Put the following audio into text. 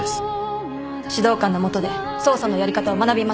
指導官の下で捜査のやり方を学びます。